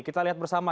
kita lihat bersama